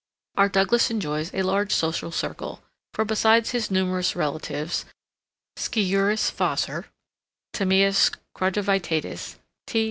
Our Douglas enjoys a large social circle; for, besides his numerous relatives, _Sciurus fossor, Tamias quadrivitatus, T.